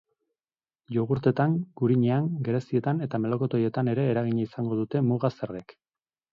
Jogurtetan, gurinean, gerezietan eta melokotoietan ere eragina izango dute muga-zergek.